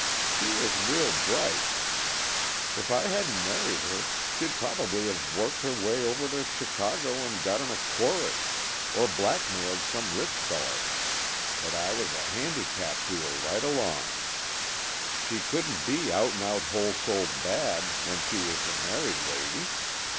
She was real bright. If I hadn't married her, she'd probably have worked her way over to Chicago and got in a chorus, or blackmailed some rich feller, but I was a handicap to her right along. She couldn't be out and out whole souled bad when she was a married lady.